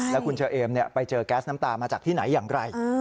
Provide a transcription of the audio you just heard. แล้วคุณเชอเอมไปเจอแก๊สน้ำตามาจากที่ไหนอย่างไร